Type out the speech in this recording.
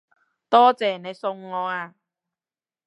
多謝你送我啊